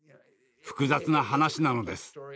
複雑な話なのです。